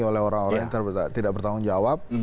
oleh orang orang yang tidak bertanggung jawab